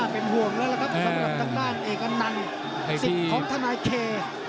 สิทธิ์ของทานายเค